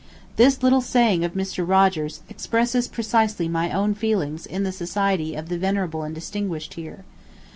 This little saying of Mr. Rogers expresses precisely my own feelings in the society of the venerable and distinguished here.